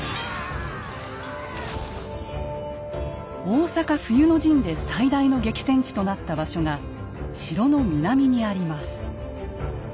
大坂冬の陣で最大の激戦地となった場所が城の南にあります。